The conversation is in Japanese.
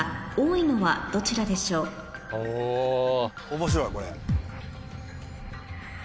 面白いこれ。